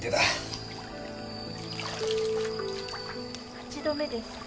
・８度目です。